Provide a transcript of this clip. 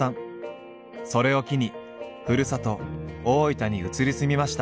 それを機にふるさと大分に移り住みました。